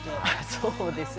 そうですね。